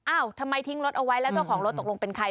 ทำไมทิ้งรถเอาไว้แล้วเจ้าของรถตกลงเป็นใคร